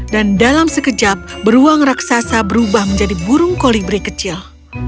dan dalam sekejap beruang raksasa berubah menjadi burung kolibri kecil